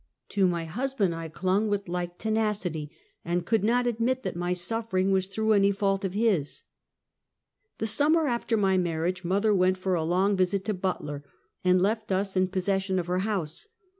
To my husband I clung with like tenacity, and could not admit that my suffering was through any fault of his. The summer after my marriage, mother went for a long visit to Butler, and left us in possession of her house.